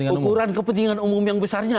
ukuran kepentingan umum yang besarnya